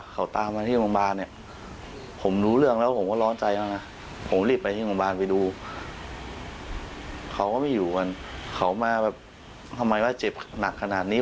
เขาก็ไม่อยู่กันเขามาทำไมว่าเจ็บหนักขนาดนี้